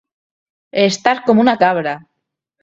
Estar com una cabra.